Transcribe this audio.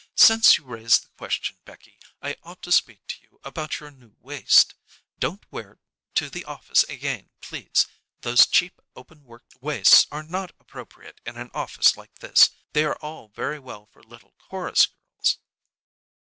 Since you raise the question, Becky, I ought to speak to you about your new waist. Don't wear it to the office again, please. Those cheap open work waists are not appropriate in an office like this. They are all very well for little chorus girls."